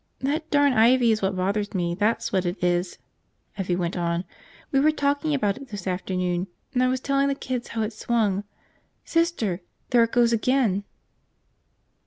"That darn ivy is what bothers me, that's what it is!" Evvie went on. "We were talking about it this afternoon and I was telling the kids how it swung ... Sister! There it goes again!"